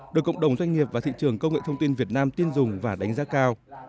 được cộng đồng doanh nghiệp và thị trường công nghệ thông tin việt nam tin dùng và đánh giá cao